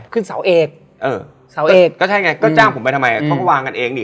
ขึ้นเสาเอกเออเสาเอกก็ใช่ไงก็จ้างผมไปทำไมเขาก็วางกันเองนี่